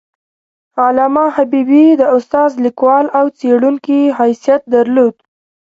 علامه حبیبي د استاد، لیکوال او څیړونکي حیثیت درلود.